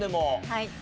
はい。